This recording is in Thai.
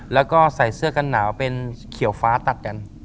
แล้วก็ใส่เสื้อกันหนาวเป็นเขียวฟ้าตัดกัน